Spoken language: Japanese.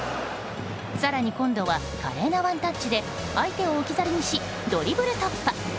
更に今度は華麗なワンタッチで相手を置き去りにしドリブル突破。